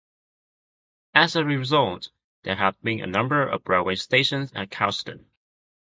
As a result, there have been a number of railway stations at Coulsdon.